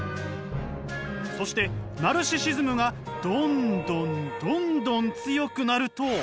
そしてナルシシズムがどんどんどんどん強くなると。